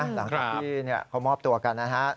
หลังจากที่เขามอบตัวกันนะฮะ